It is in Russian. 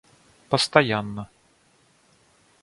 постоянно